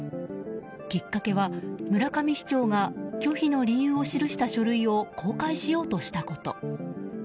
きっかけは、村上市長が拒否の理由を記した書類を公開しようとしたこと。